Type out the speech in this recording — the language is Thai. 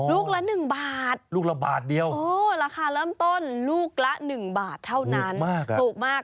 อ๋อลูกละ๑บาทโอ้ราคาเริ่มต้นลูกละ๑บาทเท่านั้นถูกมาก